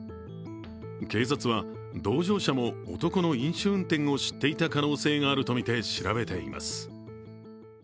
警察は、同乗者も男の飲酒運転を知っていた可能性があるとみて調べています。